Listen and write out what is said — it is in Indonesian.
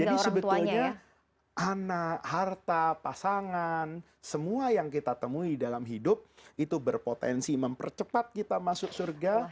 jadi sebetulnya anak harta pasangan semua yang kita temui dalam hidup itu berpotensi mempercepat kita masuk surga